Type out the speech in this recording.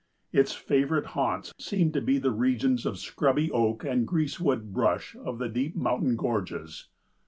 Its favorite haunts seem to be the regions of scrubby oak and greasewood brush of the deep mountain gorges.